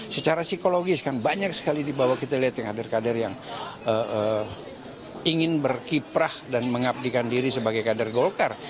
secara psikologis kan banyak sekali di bawah kita lihat yang hadir kader kader yang ingin berkiprah dan mengabdikan diri sebagai kader golkar